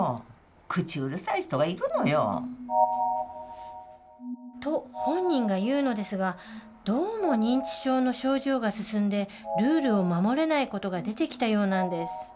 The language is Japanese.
口うるさい人がいるのよ。と本人が言うのですがどうも認知症の症状が進んでルールを守れない事が出てきたようなんです。